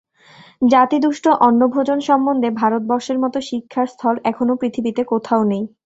জাতিদুষ্ট অন্নভোজন সম্বন্ধে ভারতবর্ষের মত শিক্ষার স্থল এখনও পৃথিবীতে কোথাও নেই।